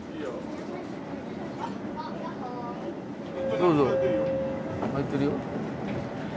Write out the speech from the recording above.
どうぞ空いてるよ。